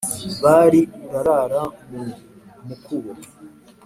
bari urarara mu mukubo